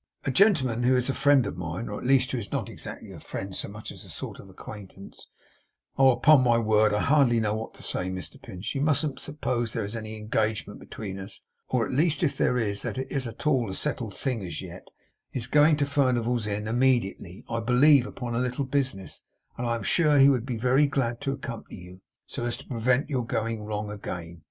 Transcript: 'A gentleman who is a friend of mine, or at least who is not exactly a friend so much as a sort of acquaintance Oh upon my word, I hardly know what I say, Mr Pinch; you mustn't suppose there is any engagement between us; or at least if there is, that it is at all a settled thing as yet is going to Furnival's Inn immediately, I believe upon a little business, and I am sure he would be very glad to accompany you, so as to prevent your going wrong again.